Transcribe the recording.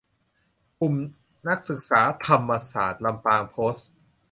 กลุ่มนักศึกษาธรรมศาสตร์ ลำปาง โพสต์